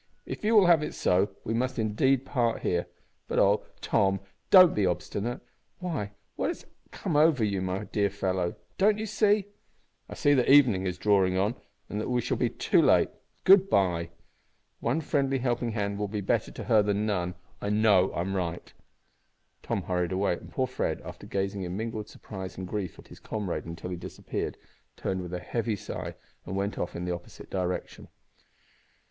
If you will have it so, we must indeed part here. But oh! Tom, don't be obstinate! Why, what has come over you, my dear fellow? Don't you see " "I see that evening is drawing on, and that we shall be too late. Good bye! One friendly helping hand will be better to her than none. I know I'm right." Tom hurried away, and poor Fred, after gazing in mingled surprise and grief at his comrade until he disappeared, turned with a heavy sigh and went off in the opposite direction.